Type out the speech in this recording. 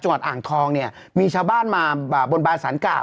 จังหวัดอ่างทองเนี่ยมีชาวบ้านมาบนบานสารเก่า